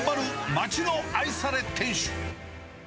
町の愛され店主。